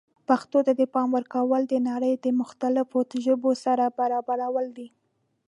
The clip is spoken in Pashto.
پښتو ته د پام ورکول د نړۍ د پرمختللو ژبو سره برابرول دي.